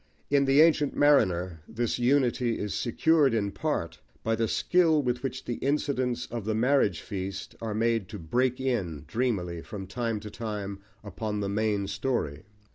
In The Ancient Mariner this unity is secured in part by the skill with which the incidents of the marriage feast are made to break in dreamily from time to time upon the main story.